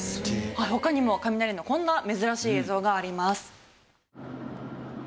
他にも雷のこんな珍しい映像があります。